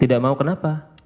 tidak mau kenapa